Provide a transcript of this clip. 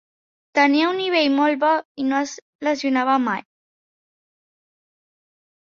Tenia un nivell molt bo i no es lesionava mai.